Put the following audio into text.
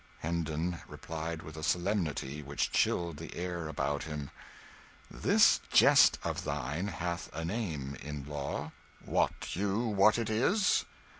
Hendon replied with a solemnity which chilled the air about him "This jest of thine hath a name, in law, wot you what it is?"